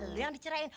lo yang dicerain